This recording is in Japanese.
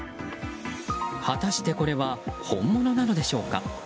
果たしてこれは本物なのでしょうか。